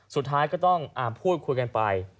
สุดท้ายก็ต้องพูดคุยกันไป